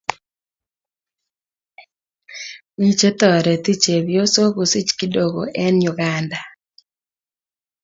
Me chetareti chebyosok kosich kidogo eng Uganda.